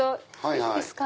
いいですか？